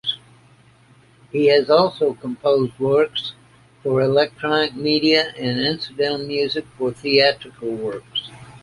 He has also composed works for electronic media and incidental music for theatrical works.